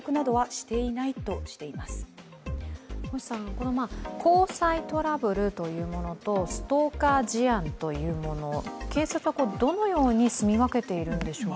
この交際トラブルというものと、ストーカー事案というもの、警察はどのようにすみ分けているんでしょうか？